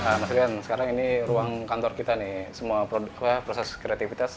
ada mas pc lian sekarang ini ruang kantor kita nih semua proses kreativitas